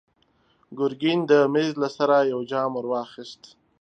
ګرګين د مېز له سره يو جام ور واخيست.